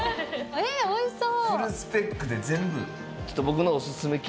えおいしそう！